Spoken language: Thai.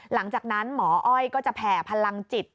หลังจากนั้นหมออ้อยก็จะแผ่พลังจิต